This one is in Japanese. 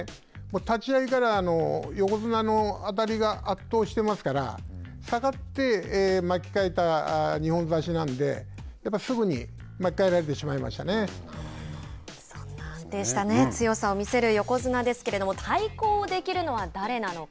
立ち合いから横綱の当たりが圧倒していますから下がって、まきかえた２本差しなんでやっぱりすぐに巻き替えられてそんな安定した強さを見せる横綱なんですけれども対抗できるのは誰なのか。